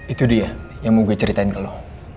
itu dia yang mau gue ceritain ke lo